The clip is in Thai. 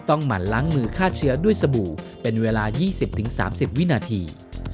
หมั่นล้างมือฆ่าเชื้อด้วยสบู่เป็นเวลา๒๐๓๐วินาที